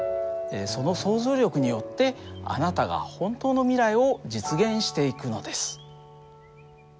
その想像力によってあなたが本当の未来を実現していくのです。